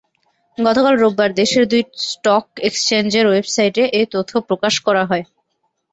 গতকাল রোববার দেশের দুই স্টক এক্সচেঞ্জের ওয়েবসাইটে এ তথ্য প্রকাশ করা হয়।